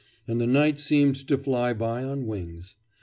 And the night seemed to fly by on wings.